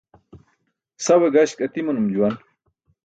Sawe gaśk atimanum juwan.